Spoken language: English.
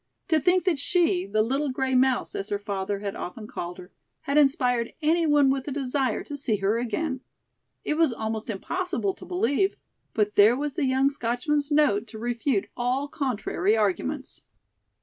To think that she, "the little gray mouse," as her father had often called her, had inspired any one with a desire to see her again. It was almost impossible to believe, but there was the young Scotchman's note to refute all contrary arguments.